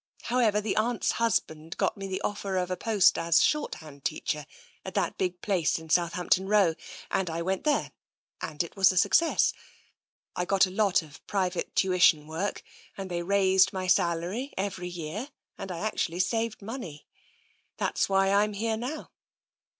However, the aunt's husband got me the offer of a post as shorthand teacher at that big place in Southampton Row, and I went there, and it was a success. I got a lot of private tuition work, and they raised my salary every year, and I actually saved money. That's why I'm here now."